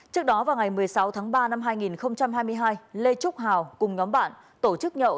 trước đó vào ngày một mươi sáu tháng ba năm hai nghìn hai mươi hai lê trúc hào cùng nhóm bạn tổ chức nhậu